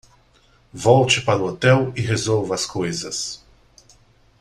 Volte para o hotel e resolva as coisas